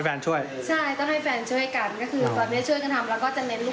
แล้วก็เลยลองทำตัวเนี่ยขายดู